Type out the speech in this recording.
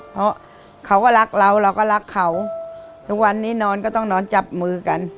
เพราะเขาก็รักเราเราก็รักเขาทุกวันนี้นอนก็ต้องนอนจับมือกัน